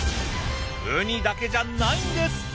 ウニだけじゃないんです！